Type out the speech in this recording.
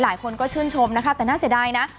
หลายคนก็ชื่นชมนะคะแต่น่าเสียดายนะ